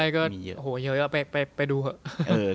ก็เยอะไปดูเหอะ